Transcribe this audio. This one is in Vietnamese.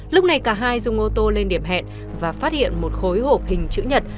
lúc này cả hai dùng ô tô lên điểm hẹn và phát hiện một khối hộp hình chữ nhật